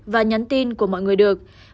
và nhắn tin của mọi người được